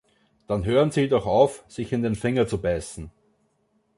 Dann hören Sie doch auf, sich in den Finger zu beißen!